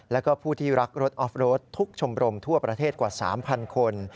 แล้วก็ผู้ที่รักรถออฟโรดทุกชมรมทั่วประเทศกว่า๓๐๐คน